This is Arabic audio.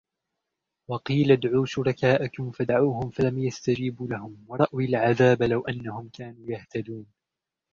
وقيل ادعوا شركاءكم فدعوهم فلم يستجيبوا لهم ورأوا العذاب لو أنهم كانوا يهتدون